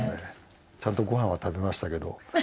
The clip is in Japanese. ちゃんとごはんは食べましたけど。